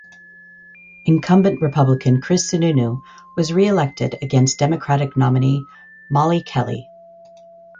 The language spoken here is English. Incumbent Republican Chris Sununu was reelected against Democratic nominee Molly Kelly.